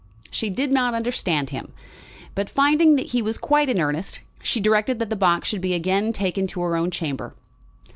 She did not understand him, but finding that he was quite in earnest she directed that the box should be again taken to her own chamber.